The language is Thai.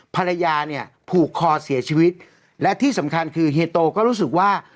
ภรรยาเนี่ยผูกคอเสียชีวิตและที่สำคัญคือเฮียโตก็รู้สึกว่า